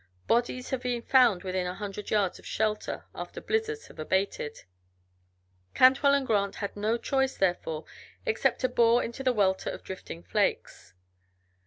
Bodies have been found within a hundred yards of shelter after blizzards have abated. Cantwell and Grant had no choice, therefore, except to bore into the welter of drifting flakes.